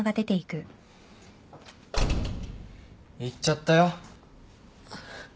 ・行っちゃったよ。